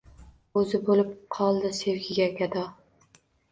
O’zi bo’lib qoldi sevgiga gado.